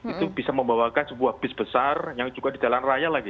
itu bisa membawakan sebuah bis besar yang juga di jalan raya lagi